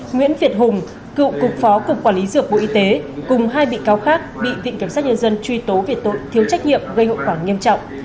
nguyễn việt hùng cựu cục phó cục quản lý dược bộ y tế cùng hai bị cáo khác bị viện kiểm sát nhân dân truy tố về tội thiếu trách nhiệm gây hậu quả nghiêm trọng